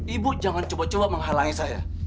ibu jangan coba coba menghalangi saya